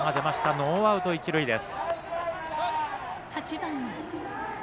ノーアウト、一塁です。